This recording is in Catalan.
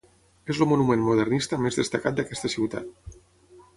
És el monument modernista més destacat d'aquesta ciutat.